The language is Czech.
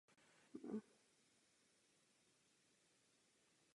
Slavností projev přednesl královéhradecký rabín Heřman Kohn.